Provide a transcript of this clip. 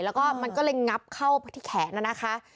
แล้วก็มันก็เลยงับเข้าที่แขนนะคะ